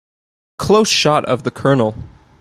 Close shot of the COLONEL.